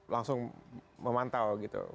langsung memantau gitu